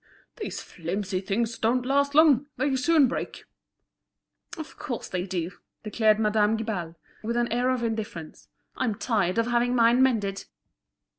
"These flimsy things don't last long, they soon break," said he. "Of course they do!" declared Madame Guibal, with an air of indifference. "I'm tired of having mine mended."